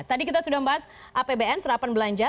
tadi kita sudah membahas apbn serapan belanja